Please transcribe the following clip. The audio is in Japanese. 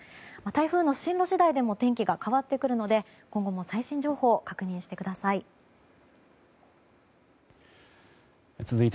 台風の進路次第でも天気が変わってくるので今後も最新情報を確認してください。